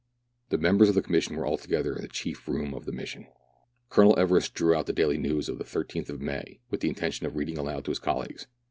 The members of the Commission were altogether in the chief room of the mission. Colonel Everest drew out the Daih News for the 13th of May, with the intention of reading aloud to his colleagues.